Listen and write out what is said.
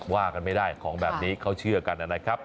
ว่ากันไม่ได้ของแบบนี้เขาเชื่อกันนะครับ